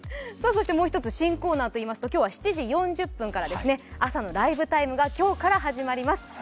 もう一つ新コーナーといいますと７時４０分から「朝のライブ ＴＩＭＥ」が今日から始まります。